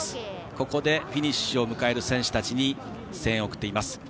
ここでフィニッシュを迎える選手たちに声援を送っています。